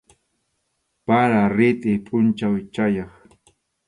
Para, ritʼi tuta pʼunchaw chayaq.